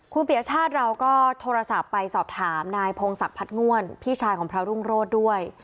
คุณปียชาติเราก็โทรศัพท์ไปสอบถามนายพงศักดิ์พัดง่วนพี่ชายของพระรุ่งโรธด้วย